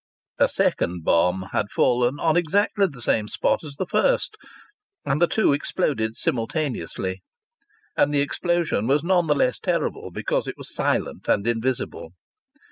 A second bomb had fallen on exactly the same spot as the first, and the two exploded simultaneously. And the explosion was none the less terrible because it was silent and invisible.